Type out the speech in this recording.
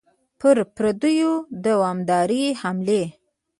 پر پردیو دوامدارې حملې.